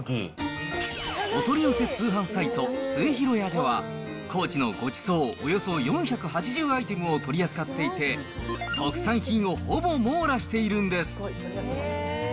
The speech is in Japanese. お取り寄せ通販サイト、すえひろ屋では、高知のごちそう、およそ４８０アイテムを取り扱っていて、特産品をほぼ網羅しているんです。